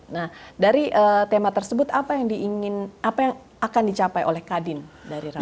nah dari tema tersebut apa yang diingin apa yang akan dicapai oleh kadin dari rakyat